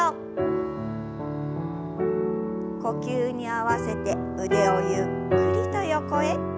呼吸に合わせて腕をゆっくりと横へ。